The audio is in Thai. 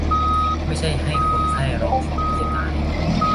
ไม่ใช่ให้คนไข้ร้องขอที่จะตาย